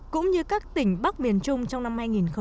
cũng như các tỉnh bắc miền trung trong năm hai nghìn một mươi bảy